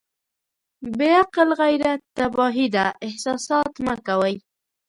بې عقل غيرت تباهي ده احساسات مه کوئ.